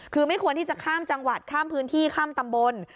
คือไม่ควรที่จะข้ามจังหวัดข้ามพื้นที่ข้ามตำบล